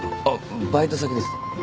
あっバイト先です。